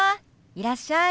いらっしゃい。